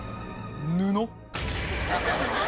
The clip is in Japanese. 布？